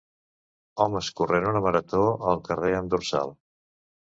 Homes corrent una marató al carrer amb dorsal.